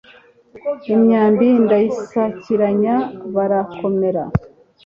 imyambi ndayisakiranya, barakomera